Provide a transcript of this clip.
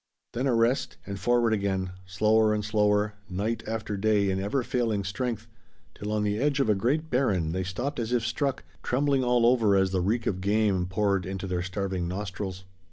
Then a rest, and forward again, slower and slower, night after day in ever failing strength, till on the edge of a great barren they stopped as if struck, trembling all over as the reek of game poured into their starving nostrils.